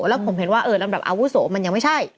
แล้วผมเห็นว่าลำดับอาวุโสมันยังไม่ใช่